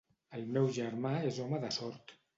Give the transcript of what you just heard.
El meu germà és home de sort.